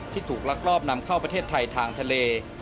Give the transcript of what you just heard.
ถูกลักลอบนำเข้าประเทศไทยทางทะเล